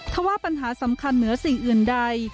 ถ้าว่าปัญหาสำคัญเหนือสิ่งอื่นใด